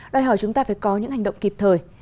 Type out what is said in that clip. đòi hỏi chúng ta phải có những hành động kịp thời